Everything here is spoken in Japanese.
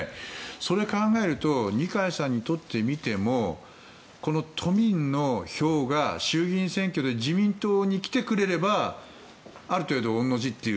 それを考えると二階さんにとってみてもこの都民の票が衆議院選挙で自民党に来てくれればある程度、御の字っていう。